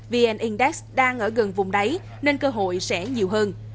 vn index đang ở gần vùng đáy nên cơ hội sẽ nhiều hơn